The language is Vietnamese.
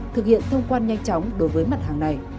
thực hiện thông quan nhanh chóng đối với mặt hàng này